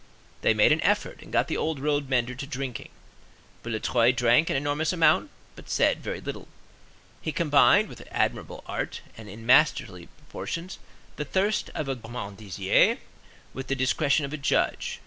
They made an effort, and got the old road mender to drinking. Boulatruelle drank an enormous amount, but said very little. He combined with admirable art, and in masterly proportions, the thirst of a gormandizer with the discretion of a judge.